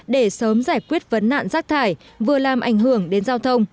để sớm giải quyết vấn nạn rác thải vừa làm ảnh hưởng đến giao thông